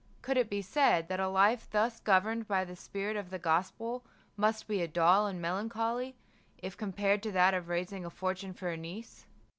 Could it be said that a life thus governed by the spirit of the gospel must be dull and melan choly, if compared to that of raising a fortune for a niece